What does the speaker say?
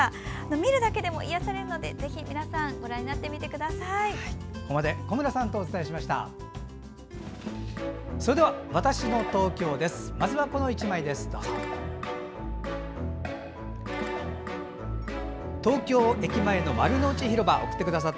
見るだけでも癒やされるのでぜひ皆さんご覧になってください。